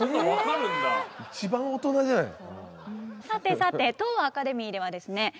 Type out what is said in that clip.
さてさて当アカデミーではですね